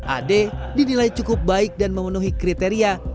ad dinilai cukup baik dan memenuhi kriteria